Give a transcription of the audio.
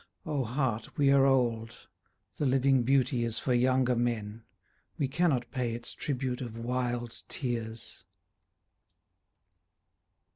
O heart, we are old, The living beauty is for younger men, We cannot pay its tribute of wild tears.